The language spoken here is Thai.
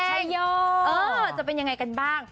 เออจะเป็นยังไงกันบ้าง